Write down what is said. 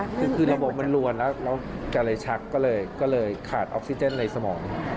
คือระบบมันลวนแล้วแกเลยชักก็เลยขาดออกซิเจนในสมอง